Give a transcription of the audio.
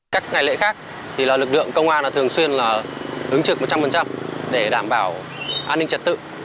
các ngày lễ khác thì lực lượng công an thường xuyên là ứng trực một trăm linh để đảm bảo an ninh trật tự